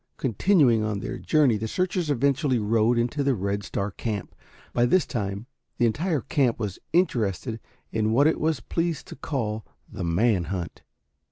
Continuing on their journey, the searchers eventually rode into the Red Star camp. By this time the entire camp was interested in what it was pleased to call "the man hunt."